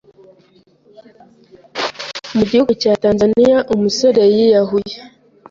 Mu gihugu cya Tanzaniya umusore yiyahuye